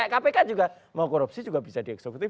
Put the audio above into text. kpk juga mau korupsi juga bisa di eksekutif